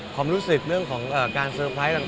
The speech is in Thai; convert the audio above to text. ความรู้สึกเรื่องของการเซอร์ไพรส์ต่าง